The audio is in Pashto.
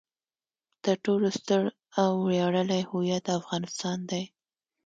تر ټولو ستر او ویاړلی هویت افغانستان دی.